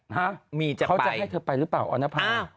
ฮะเขาจะให้เธอไปหรือเปล่าออนภา